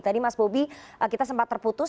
tadi mas bobi kita sempat terputus